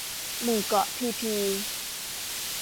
หมู่เกาะพีพี